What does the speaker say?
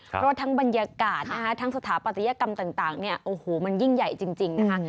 เพราะทั้งบรรยากาศนะคะทั้งสถาปัตยกรรมต่างเนี่ยโอ้โหมันยิ่งใหญ่จริงนะคะ